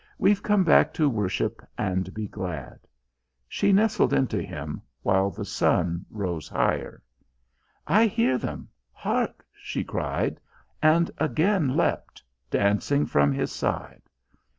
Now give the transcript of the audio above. "We've come back to worship and be glad!" She nestled into him, while the sun rose higher. "I hear them hark!" she cried, and again leapt, dancing from his side.